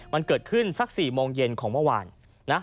มันเกิดขึ้นสัก๔โมงเย็นของเมื่อวานนะ